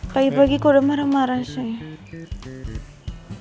pagi pagi kok udah marah marah saya